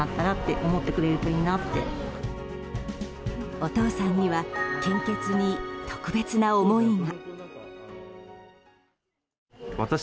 お父さんには献血に特別な思いが。